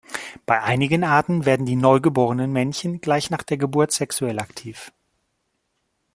Bei einigen Arten werden die neugeborenen Männchen gleich nach der Geburt sexuell aktiv.